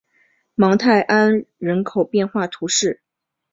芒泰埃人口变化图示